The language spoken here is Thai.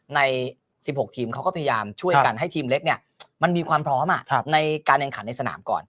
ใน๑๖ทีมเขาก็พยายามช่วยกันให้ทีมเล็กเนี่ยมันมีความพร้อมในการแข่งขันในสนามก่อน